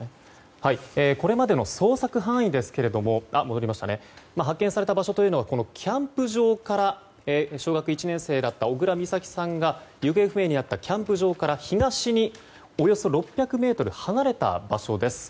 そして発見された場所というのはそのキャンプ場から小学１年生だった小倉美咲さんが行方不明になったキャンプ場から東におよそ６００ｍ離れた場所です。